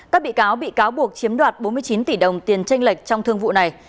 các bị cáo bị cáo buộc chiếm đoạt bốn mươi chín tỷ đồng tiền tranh lệch trong thương vụ này